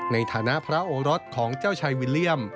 ในฐานะพระโอรสของเจ้าชายวิลเลี่ยม